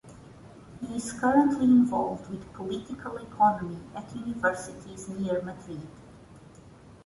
He is currently involved with political economy at universities near Madrid.